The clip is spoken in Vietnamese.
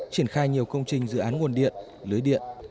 triển khai nhiều công trình dự án nguồn điện lưới điện